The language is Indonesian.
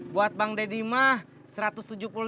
buat bang deddy mah satu ratus tujuh puluh lima